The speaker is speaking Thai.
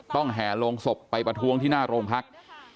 แห่ลงศพไปประท้วงที่หน้าโรงพัก